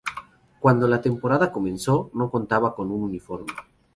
Cuando la temporada comenzó, no contaba con un uniforme.